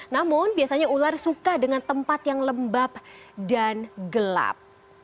namun biasanya ular suka dengan tempat yang lembab dan gelap